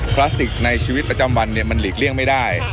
พลาสติกในชีวิตประจำวันเนี่ยมันหลีกเลี่ยงไม่ได้